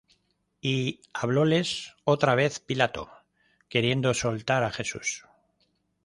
Y hablóles otra vez Pilato, queriendo soltar á Jesús.